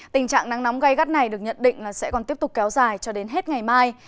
tình trạng nắng nóng gây gắt này được nhận định là sẽ còn tiếp tục kéo dài cho đến hết ngày mai